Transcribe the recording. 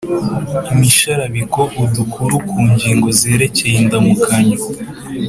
-imisharabiko; udukuru ku ngingo zerekeye: -indamukanyo;